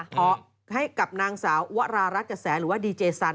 ขอให้กับนางสาววรารัฐกระแสหรือว่าดีเจสัน